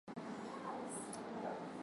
Kiswahili kitukuzwe